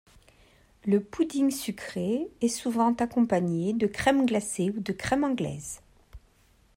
Le pudding sucré est souvent accompagné de crème glacée ou de crème anglaise.